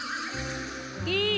いい？